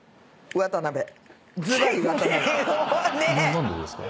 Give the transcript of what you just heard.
「何でですか？